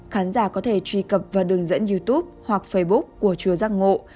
khán giả có thể truy cập vào đường dẫn youtube hoặc facebook của chùa giác ngộ